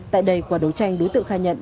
tại đây qua đấu tranh đối tượng khai nhận